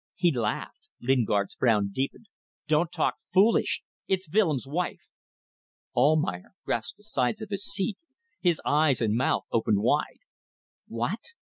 He laughed. Lingard's frown deepened. "Don't talk foolish! It's Willems' wife." Almayer grasped the sides of his seat, his eyes and mouth opened wide. "What?